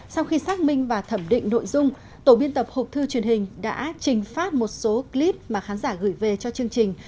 sau khi xác minh và thẩm định nội dung tổ biên tập hộp thư truyền hình đã trình phát một số clip mà khán giả gửi về cho chương trình